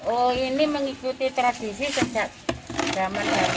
oh ini mengikuti tradisi sejak zaman dahulu